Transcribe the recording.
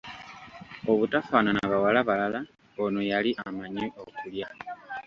Obutafaanana bawala balala ono yali amanyi okulya.